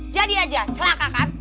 jadi aja celaka kan